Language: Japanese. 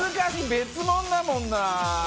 別ものだもんな。